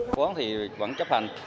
chủ quán vẫn chấp hành